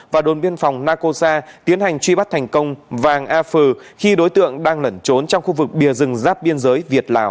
và đồn biên phòng nacosa tiến hành truy bắt thành công vàng a phừ khi đối tượng đang lẩn trốn trong khu vực bìa rừng giáp biên giới việt lào